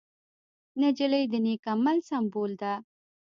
نجلۍ د نېک عمل سمبول ده.